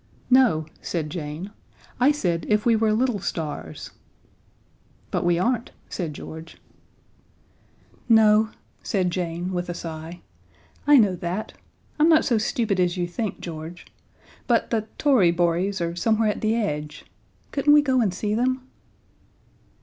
"No," said Jane. "I said if we were little stars." "But we aren't," said George. "No," said Jane, with a sigh. "I know that. I'm not so stupid as you think, George. But the Tory Bories are somewhere at the edge. Couldn't we go and see them?"